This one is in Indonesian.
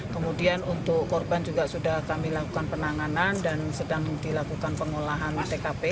kemudian untuk korban juga sudah kami lakukan penanganan dan sedang dilakukan pengolahan tkp